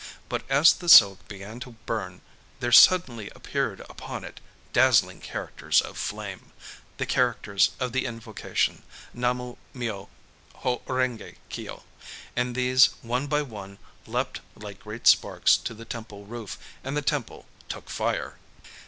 But as the silk began to burn, there suddenly appeared upon it dazzling characters of flame,—the characters of the invocation, Namu myō hō rengé kyō;—and these, one by one, leaped like great sparks to the temple roof; and the temple took fire.